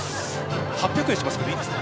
８００円しますけどいいですか？